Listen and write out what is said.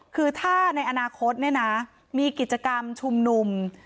คือถ้าในอนาคตเนี่ยนะมีกิจกรรมชุมนุม